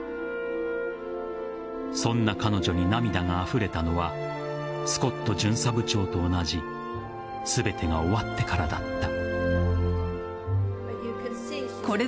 そんな彼女に涙があふれたのはスコット巡査部長と同じ全てが終わってからだった。